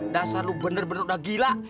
dasar lo bener bener udah gila